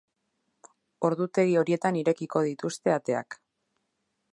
Ordutegi horietan irekiko dituzte ateak.